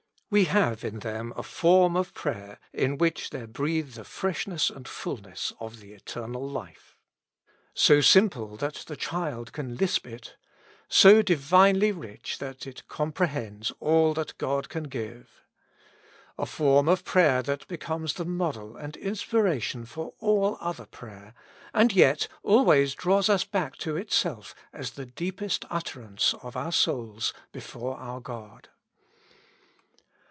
We have in them a form of prayer in which there breathe the freshness and fulness of the Eternal Life. So simple that the child can lisp it, so divinely rich that it com prehends all that God can give. A form of prayer that becomes the model and inspiration for all other prayer, and yet always draws us back to itself as the deepest utterance of our souls before our God.